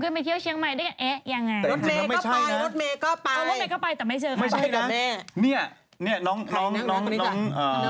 เคยไปเที่ยวเชียงใหม่ด้วยกันเอ๊ะยังไง